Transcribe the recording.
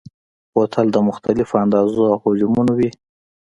بوتل د مختلفو اندازو او حجمونو وي.